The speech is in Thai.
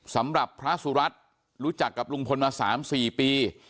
สำหรับพระสุรัตน์รู้จักกับลุงพลมา๓๔ปี